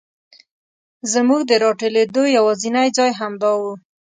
زمونږ د راټولېدو یواځینی ځای همدا و.